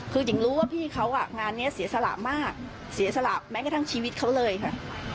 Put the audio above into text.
คือหญิงรู้ว่าพี่เขาอ่ะงานนี้เสียสละมากเสียสละแม้กระทั่งชีวิตเขาเลยค่ะ